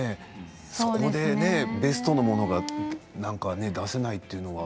そこでベストのものが出せないというのは。